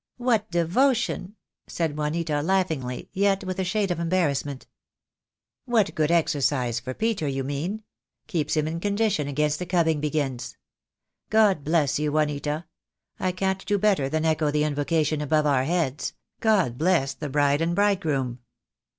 "What devotion!" said Juanita, laughingly, yet with a shade of embarrassment. "What good exercise for Peter, you mean. Keeps him in condition against the cubbing begins. God bless you, Juanita. I can't do better than echo the invocation above our heads, 'God bless the bride and bridegroom.'"